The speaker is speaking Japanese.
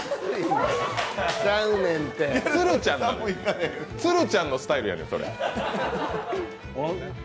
鶴ちゃんのスタイルやねん。